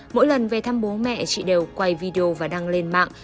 mỗi lần về thăm bố mẹ chị đều quay video và đăng lên mạng